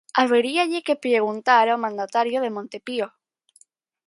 Habería que lle preguntar ao mandatario de Monte Pío.